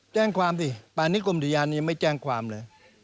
แจ้งความสิป่านนี้กลมธุญาณยังไม่แจ้งความเลย